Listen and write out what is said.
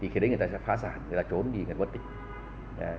thì khi đấy người ta sẽ phá sản người ta trốn người ta bất tích